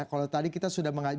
kalau tadi kita sudah mengajak